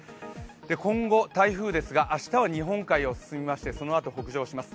今後、台風ですが明日は日本海を進みまして、そのあと北上します。